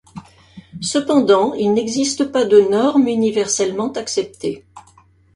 Cependant, il n'existe pas de norme universellement acceptée.